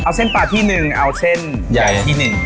เอาเส้นปลาที่หนึ่งเอาเส้นใหญ่ที่หนึ่ง